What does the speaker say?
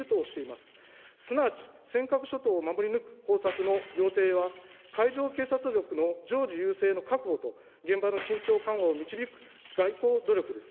すなわち、尖閣諸島を守り抜く方策の要諦は、海上警察力の常時優勢の確保と、現場の緊張緩和を導く外交努力です。